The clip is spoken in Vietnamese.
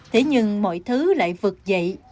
thế nhưng mọi thứ lại vực dậy